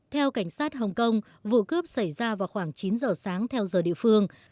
theo cảnh sát hồng kông vụ cướp xảy ra vào khoảng chín giờ sáng theo giờ địa phương